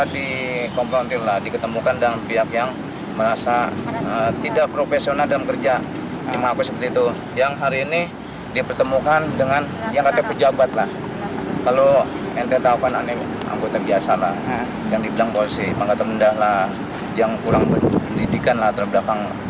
bribka madi berharap konfrontasi ini bisa membuat kasus tersebut menjadi terang benerang